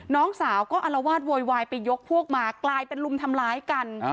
น้องสาวก็อลวาดโวยวายไปยกพวกมากลายเป็นลุมทำร้ายกัน